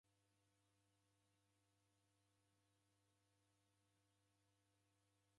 Kulaumu w'andu w'azima ndokutesiagha ilagho jingi.